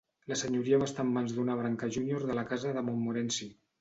La senyoria va estar en mans d'una branca júnior de la casa de Montmorency.